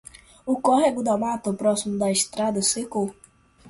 O córrego da mata, proximo da estrada, secou.